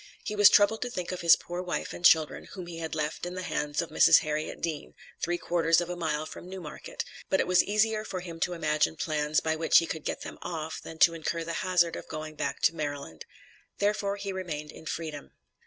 He was troubled to think of his poor wife and children, whom he had left in the hands of Mrs. Harriet Dean, three quarters of a mile from New Market; but it was easier for him to imagine plans by which he could get them off than to incur the hazard of going back to Maryland; therefore he remained in freedom.